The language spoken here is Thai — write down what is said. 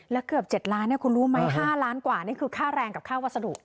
แล้วเกือบ๗ล้านคุณรู้ไหม๕ล้านกว่านี่คือค่าแรงกับค่าวัสดุ